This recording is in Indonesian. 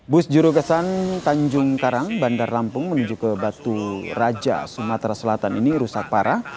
bus jurukesan tanjung karang bandar lampung menuju ke batu raja sumatera selatan ini rusak parah